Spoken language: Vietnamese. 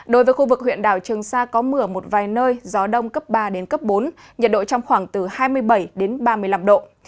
đối với khu vực huyện đảo trường sa có mưa một vài nơi gió đông cấp ba đến cấp bốn nhiệt độ trong khoảng từ hai mươi bảy đến ba mươi năm độ